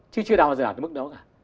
chứ chưa bao giờ đã đến mức đó cả